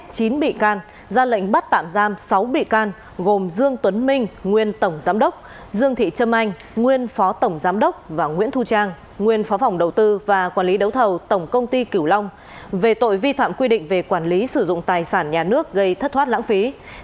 xin chào và hẹn gặp lại